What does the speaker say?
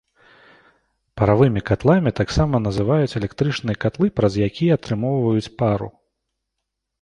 Паравымі катламі таксама называюць электрычныя катлы, праз якія атрымоўваюць пару.